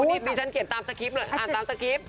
อุ้ยมีฉันเขียนตามสกริปหน่อยอ่านตามสกริป